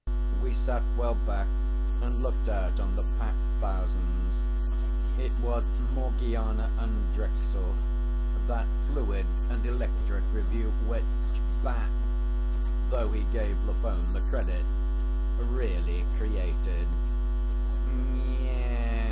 We sat well back and looked out on the packed thousands. It was Morgiana and Drexel, that fluid and electric review which Bat though he gave Lafone the credit really created.